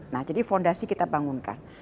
nah jadi fondasi kita bangunkan